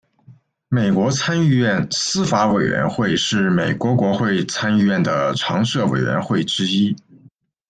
美国参议院司法委员会是美国国会参议院的常设委员会之一。